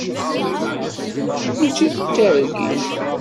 Mačči d targit.